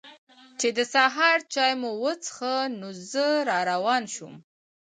چې د سهار چای مو وڅښه نو زه را روان شوم.